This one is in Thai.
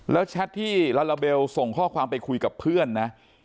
แล้วแชทที่ลาลาเบลส่งข้อความไปคุยกับเพื่อนนะ